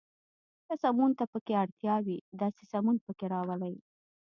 که سمون ته پکې اړتیا وي، داسې سمون پکې راولئ.